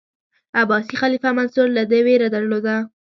عباسي خلیفه منصور له ده ویره درلوده.